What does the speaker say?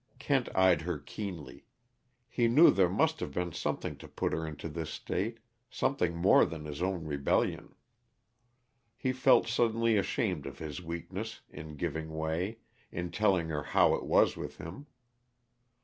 Kent eyed her keenly. He knew there must have been something to put her into this state something more than his own rebellion. He felt suddenly ashamed of his weakness in giving way in telling her how it was with him.